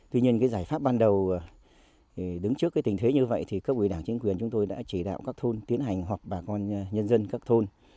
tuy nhiên giải pháp ban đầu đứng trước cái tình thế như vậy thì các ủy đảng chính quyền chúng tôi đã chỉ đạo các thôn tiến hành họp bà con nhân dân các thôn